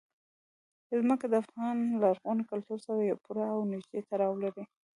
ځمکه د افغان لرغوني کلتور سره پوره او نږدې تړاو لري.